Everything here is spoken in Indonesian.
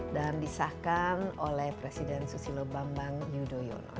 dan disahkan oleh presiden susilo bambang yudhoyono